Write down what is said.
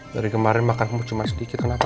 dari kemarin makan cuma sedikit kenapa